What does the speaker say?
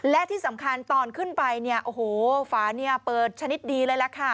และที่สำคัญตอนขึ้นไปโอ้โหฝาเปิดชนิดดีเลยแล้วค่ะ